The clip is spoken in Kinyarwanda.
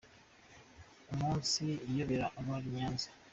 Umunsi iyobera abari i Nyanza